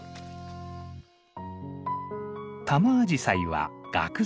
タマアジサイはガク咲き。